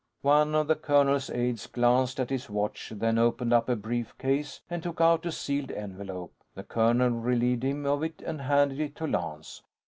One of the colonel's aides glanced at his watch, then opened up a brief case and took out a sealed envelope. The colonel relieved him of it and handed it to Lance.